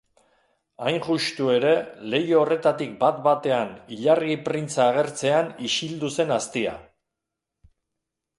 Hain juxtu ere, leiho horretatik bat-batean ilargi printza agertzean isildu zen aztia.